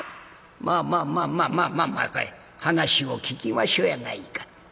「まあまあまあまあまあまあ話を聞きましょうやないか」。